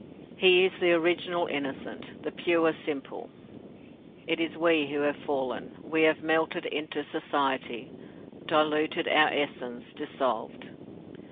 He is the original innocent, the pure simple. It is we who have fallen; we have melted into Society, diluted our essence, dissolved.